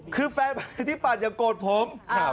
คือแฟนประชาธิปัตยโกรธผม